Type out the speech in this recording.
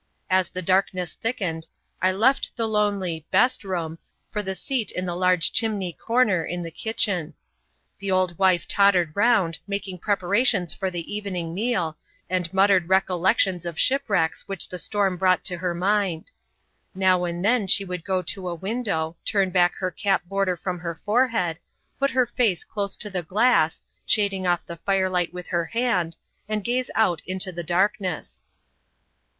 As the darkness thickened, I left the lonely "best room" for the seat in the large chimney corner, in the kitchen. The old wife tottered round, making preparations for the evening meal, and muttered recollections of shipwrecks which the storm brought to her mind. Now and then she would go to a window, turn back her cap border from her forehead, put her face close to the glass, shading off the firelight with her hand, and gaze out into the darkness.